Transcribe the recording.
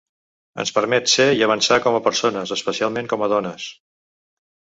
Ens permet ser i avançar com a persones, especialment com a dones.